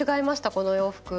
この洋服。